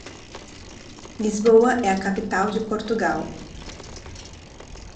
Lisboa é a capital de Portugal.